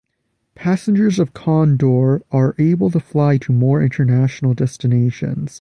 Passengers of Condor are able to fly to more international destinations.